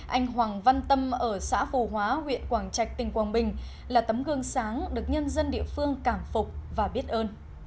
anh hoàng văn tâm ở xã phù hóa huyện quảng trạch tỉnh quảng bình là tấm gương sáng được nhân dân địa phương cảm phục và biết ơn